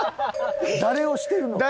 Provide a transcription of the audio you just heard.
誰をしてるのか。